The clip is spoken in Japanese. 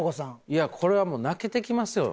いやこれはもう泣けてきますよ。